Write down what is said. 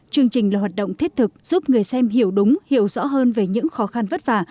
chương trình là hoạt động thiết thực giúp người xem hiểu đúng hiểu rõ hơn về những khó khăn vất vả